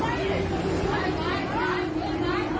อันนี้สะส่วนครับ